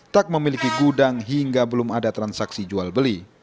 tak memiliki gudang hingga belum ada transaksi jual beli